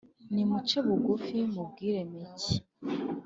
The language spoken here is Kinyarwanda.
nimuce bugufi mubwiremeke,